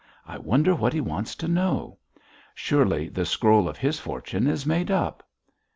I wonder what he wants to know. Surely the scroll of his fortune is made up.'